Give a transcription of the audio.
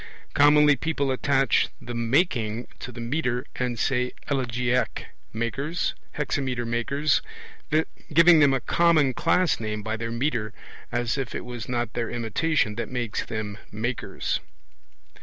Commonly people attach the 'making' to the metre and say 'elegiac makers', 'hexameter makers,' giving them a common class name by their metre, as if it was not their imitation that makes them 'makers').